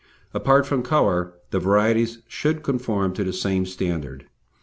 Apart from colour, the varieties should conform to the same standard.